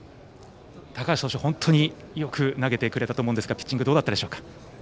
高橋投手、本当によく投げてくれたと思いますがピッチングはどうだったですか。